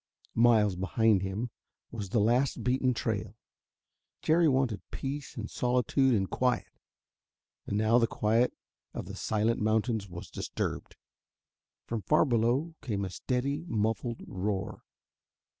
Miles behind him was the last beaten trail: Jerry wanted peace and solitude and quiet. And now the quiet of the silent mountains was disturbed. From far below came a steady, muffled roar.